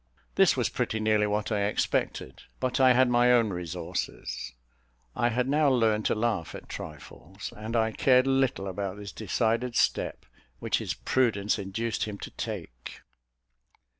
This was pretty nearly what I expected; but I had my own resources. I had now learned to laugh at trifles, and I cared little about this decided step which his prudence induced him to take.